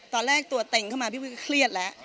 ตอนแรกตัวเต็งเข้ามาพี่พึ่งเครียดแล้ว